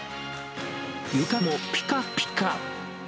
床もぴかぴか。